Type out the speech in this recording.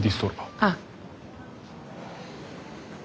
ああ。